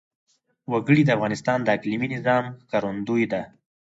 وګړي د افغانستان د اقلیمي نظام ښکارندوی ده.